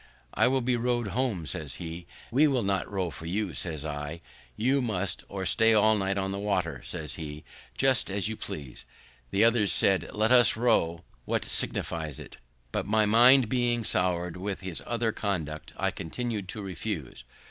"I will be row'd home," says he. "We will not row you," says I. "You must, or stay all night on the water," says he, "just as you please." The others said, "Let us row; what signifies it?" But, my mind being soured with his other conduct, I continu'd to refuse.